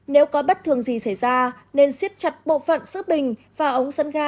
nếu có bất thường gì xảy ra nên xiết chặt bộ phận sức bình và ống dẫn ga